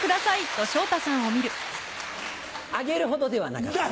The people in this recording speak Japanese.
あげるほどではなかった。